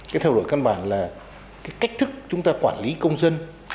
cái thay đổi căn bản là cái cách thức chúng ta quản lý công dân